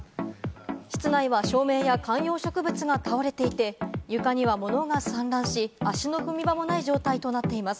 室内は照明や観葉植物が倒れていて、床には物が散乱し、足の踏み場もない状態となっています。